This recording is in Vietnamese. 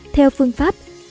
theo phương pháp